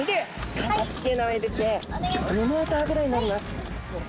２メーターぐらいになります。